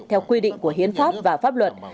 theo quy định của hiến pháp và pháp luật